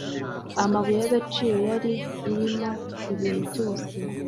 amabuye y agaciro yari irimo ibintu byose